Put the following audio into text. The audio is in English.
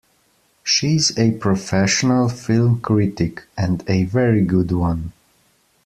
She's a professional film critic, and a very good one.